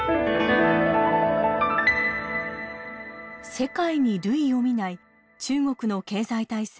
世界に類を見ない中国の経済体制